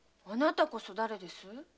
あなたこそだれです？